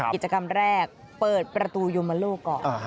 กิจกรรมแรกเปิดประตูโยมโลกก่อน